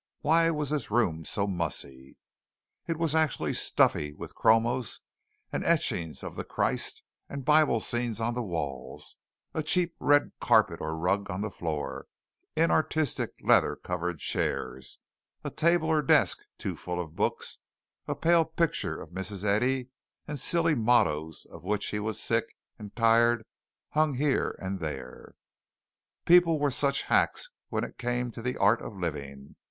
Why was this room so mussy? It was actually stuffy with chromos and etchings of the Christ and Bible scenes on the walls, a cheap red carpet or rug on the floor, inartistic leather covered chairs, a table or desk too full of books, a pale picture of Mrs. Eddy and silly mottoes of which he was sick and tired hung here and there. People were such hacks when it came to the art of living.